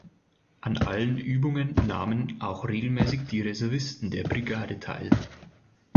An allen Übungen nahmen auch regelmäßig die Reservisten der Brigade teil.